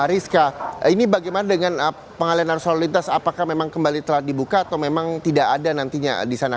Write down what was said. rizka ini bagaimana dengan pengalian arus lalu lintas apakah memang kembali telah dibuka atau memang tidak ada nantinya di sana